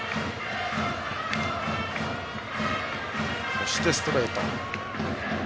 そしてストレート。